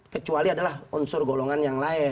kecuali adalah unsur golongan yang lain